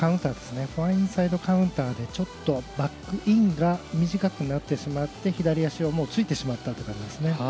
インサイドカウンターでちょっとバックインが短くなってしまって左足をついてしまったんですね。